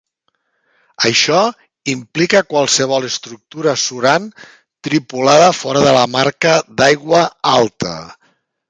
Això implica qualsevol estructura surant tripulada fora de la marca d'aigua alta.